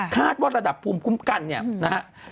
คาดว่าระดับภูมิคุ้มกันเนี่ยนะฮะ